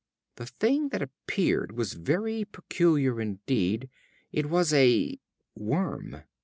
The thing that appeared was very peculiar indeed. It was a worm.